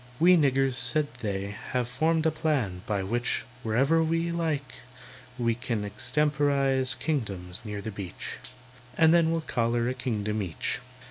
"We niggers," said they, "have formed a plan By which, whenever we like, we can Extemporise kingdoms near the beach, And then we'll collar a kingdom each.